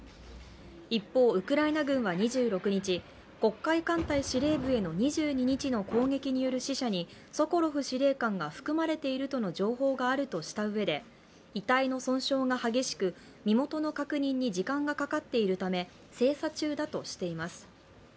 一方ウクライナ軍は２６日黒海艦隊司令部への２２日の攻撃による死者にソコロフ司令官が含まれているとの情報があるとしたうえで、遺体の損傷が激しく身元の確認に時間がかかっているため精査中だとしています。